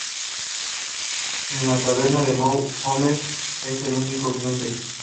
En la taberna de Moe, Homer es el único cliente.